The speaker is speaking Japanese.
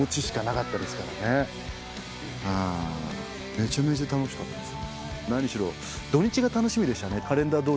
めちゃめちゃ楽しかったです。